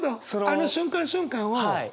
あの瞬間瞬間を。